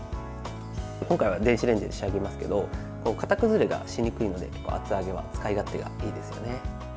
今回は電子レンジで仕上げますけど型崩れがしにくいので厚揚げは使い勝手がいいですね。